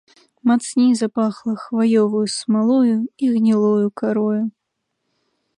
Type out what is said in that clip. Мацней запахла хваёваю смалою і гнілою карою.